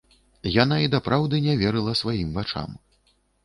Яна і дапраўды не верыла сваім вачам.